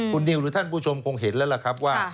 คุณนิวหรือท่านผู้ชมคงเห็นแล้วล่ะครับว่า